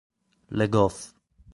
Le Goff